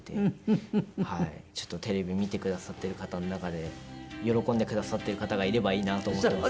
ちょっとテレビ見てくださってる方の中で喜んでくださってる方がいればいいなと思ってますね。